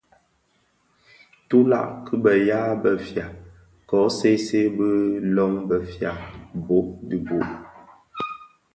Tülag ki bëya bëfia kō see see bi lön befia bō dhi bō,